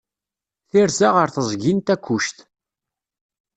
Tirza ɣer teẓgi n Takkuct.